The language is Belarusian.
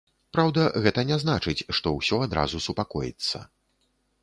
Праўда, гэта не значыць, што ўсё адразу супакоіцца.